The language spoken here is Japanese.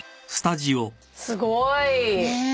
すごーい！